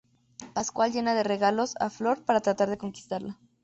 Pascual llena de regalos a Flor para tratar de conquistarla.